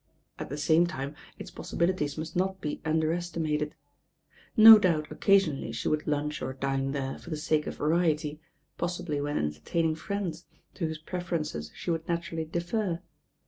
At the same time its possibilities must not be under estimated. No doubt occasionally she would lunch or dine there for the sake of variety, possibly when entertaining friends, to whose preferences she would naturally defer.